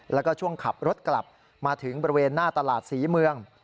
แล้วก็ช่วงขับรถกลับมาถึงบริเวณหน้าตลาดศรีเมือง